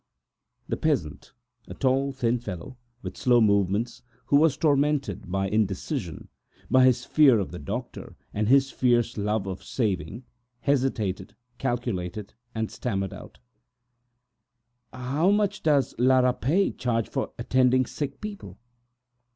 The peasant, a tall, thin fellow with slow movements, who was tormented by indecision, by his fear of the doctor and his keen love of saving, hesitated, calculated, and stammered out: "How much does La Rapet charge for attending sick people?"